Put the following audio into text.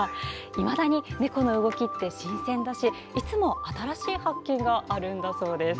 いまだにネコの動きって新鮮だしいつも新しい発見があるそうです。